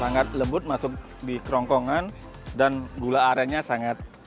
sangat lembut masuk di kerongkongan dan gula arennya sangat